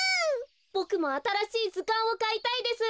ボクもあたらしいずかんをかいたいです。